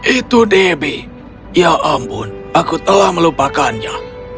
itu debbie ya ampun aku telah melupakannya